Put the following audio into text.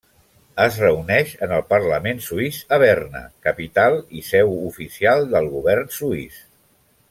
Es reuneix en el parlament suís a Berna, capital i seu oficial del govern suís.